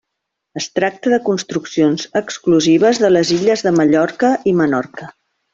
Es tracta de construccions exclusives de les illes de Mallorca i Menorca.